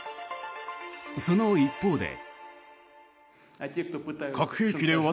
その一方で。